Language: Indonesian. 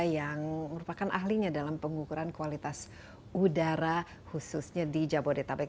yang merupakan ahlinya dalam pengukuran kualitas udara khususnya di jabodetabek